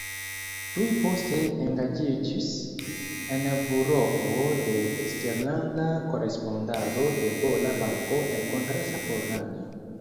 Tuj poste engaĝiĝis en buroo de eksterlanda korespondado de Pola Banko en Kongresa Pollando.